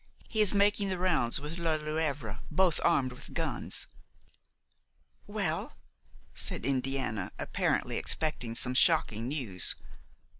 "He is making the rounds with Lelièvre, both armed with guns." "Well?" said Indiana, apparently expecting some shocking news.